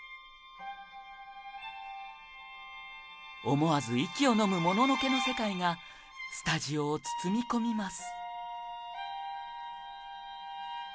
思わず息をのむ『もののけ』の世界がスタジオを包み込みます